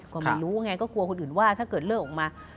ก็ไม่รู้ไงก็กลัวคนอื่นว่าถ้าเกิดเลิกออกมา